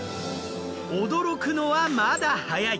驚くのはまだ早い！